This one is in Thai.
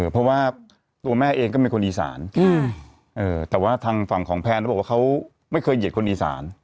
เพราะว่าตัวแม่เองก็เป็นคนอีสานแต่ว่าทางฝั่งของแพนเขาบอกว่าเขาไม่เคยเหยียดคนอีสาน